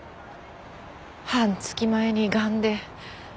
半月前にがんで。